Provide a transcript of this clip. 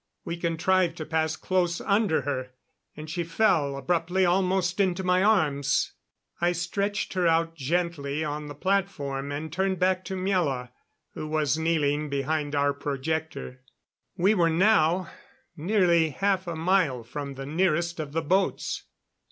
We contrived to pass close under her, and she fell abruptly almost into my arms. I stretched her out gently on the platform and turned back to Miela, who was kneeling behind our projector. We were now nearly half a mile from the nearest of the boats.